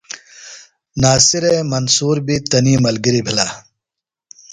ناصرے منصور بیۡ تنی ملگریۡ بِھلہ۔